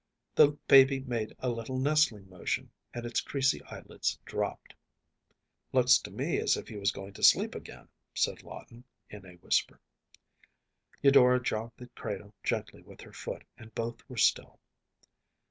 The baby made a little nestling motion, and its creasy eyelids dropped. “Looks to me as if he was going to sleep again,‚ÄĚ said Lawton, in a whisper. Eudora jogged the cradle gently with her foot, and both were still.